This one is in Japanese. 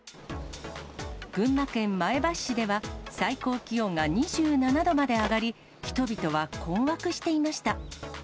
群馬県前橋市では、最高気温が２７度まで上がり、人々は困惑していました。